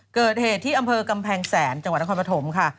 เกิดเหตุที่อำเภอกำแพงแสนจังหวัดนครปฐมค่ะ